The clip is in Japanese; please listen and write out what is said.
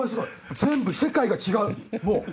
全部世界が違うもう。